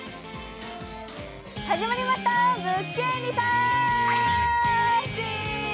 始まりました、「物件リサーチ」！